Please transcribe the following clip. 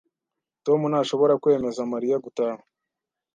Tom ntashobora kwemeza Mariya gutaha.